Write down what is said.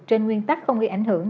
trên nguyên tắc không gây ảnh hưởng